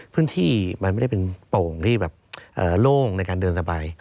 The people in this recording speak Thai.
พื้นที่มันไม่ได้เป็นโป่งที่แบบโล่งในการเดินสบาย